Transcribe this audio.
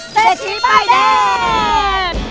เศรษฐีป้ายแดง